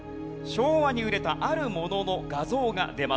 昭和に売れたあるものの画像が出ます。